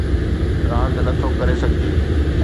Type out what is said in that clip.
راند نه ٿو ڪري سگھجي